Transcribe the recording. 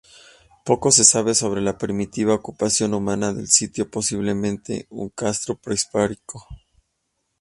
Poco se sabe sobre la primitiva ocupación humana del sitio, posiblemente un castro prehistórico.